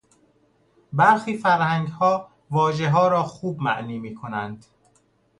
برخی فرهنگها واژهها را خوب معنی میکنند.